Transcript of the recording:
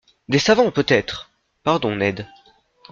Des savants, peut-être ! —Pardon, Ned.